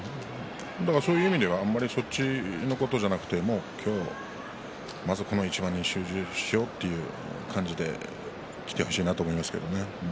そういう意味ではあまりそっちの方ではなくてまずこの一番に集中しようという感じできてほしいなと思いますけどね。